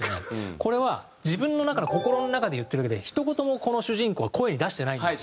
これは自分の中の心の中で言ってるだけでひと言もこの主人公は声に出してないんですよ。